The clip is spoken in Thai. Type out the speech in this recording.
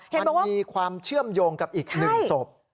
มันมีความเชื่อมโยงกับอีก๑ศพ